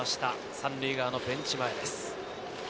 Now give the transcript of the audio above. ３塁側のベンチ前です。